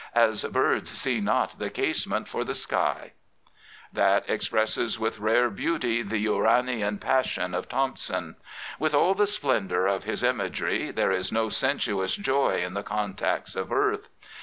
As birds see not the casement for the sky ? That expresses with rare beauty the yisaaian passion of Thompson. With all the splendour of his imagery, there is no sensuous joy in the contacts of earth.